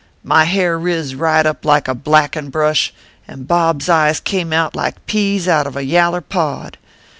My hair riz right up like a blackin brush, and Bob s eyes came out like peas out of a yaller pod.